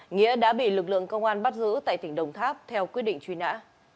nghĩa đã bị lực lượng công an bắt giữ tại tỉnh đồng tháp theo quyết định truy nã